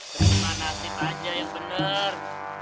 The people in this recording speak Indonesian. terima nasib aja yang bener